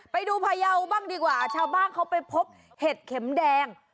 ไปดูพยาวบ้างดีกว่าชาวบ้านเขาไปพบเห็ดเข็มแดง